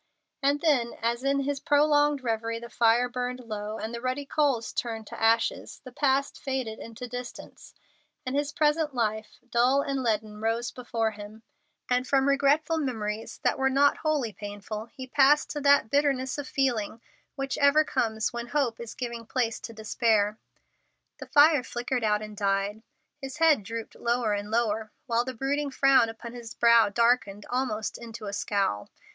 And then, as in his prolonged revery the fire burned low, and the ruddy coals turned to ashes, the past faded into distance, and his present life, dull and leaden, rose before him, and from regretful memories that were not wholly painful he passed to that bitterness of feeling which ever comes when hope is giving place to despair. The fire flickered out and died, his head drooped lower and lower, while the brooding frown upon his brow darkened almost into a scowl.